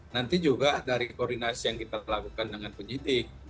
nanti juga dari koordinasi yang kita lakukan dengan penyidik